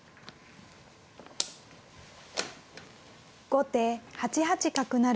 後手８八角成。